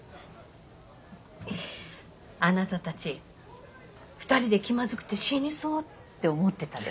あなたたち２人で気まずくて死にそうって思ってたでしょ？